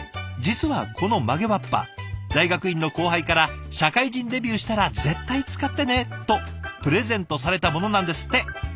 実はこの曲げわっぱ大学院の後輩から「社会人デビューしたら絶対使ってね」とプレゼントされたものなんですって。